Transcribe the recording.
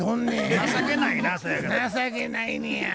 情けないねや。